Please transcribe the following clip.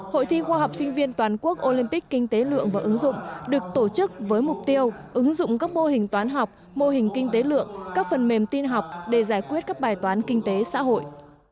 hội thi khoa học sinh viên toàn quốc olympic kinh tế lượng và ứng dụng được tổ chức với mục tiêu ứng dụng các mô hình toán học mô hình kinh tế lượng các phần mềm tin học để giải quyết các bài toán kinh tế xã hội